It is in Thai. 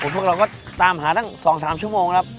พวกเราก็ตามหาตั้ง๒๓ชั่วโมงครับ